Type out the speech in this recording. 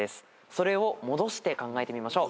それを戻して考えてみましょう。